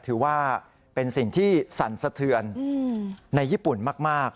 ถือว่าเป็นสิ่งที่สั่นสะเทือนในญี่ปุ่นมาก